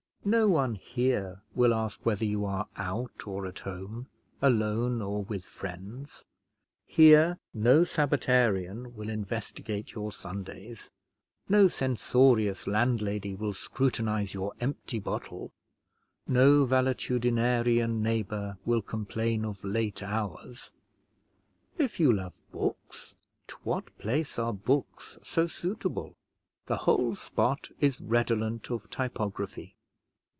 No one here will ask whether you are out or at home; alone or with friends; here no Sabbatarian will investigate your Sundays, no censorious landlady will scrutinise your empty bottle, no valetudinarian neighbour will complain of late hours. If you love books, to what place are books so suitable? The whole spot is redolent of typography.